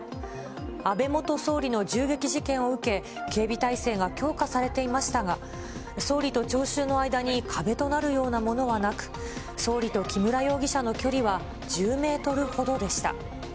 安倍元総理の銃撃事件を受け、警備体制が強化されていましたが、総理と聴衆の間に壁となるようなものはなく、総理と木村容疑者の距離は１０メートルほどでした。